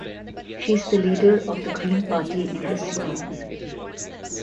She is the Leader of the Green Party in the Seanad.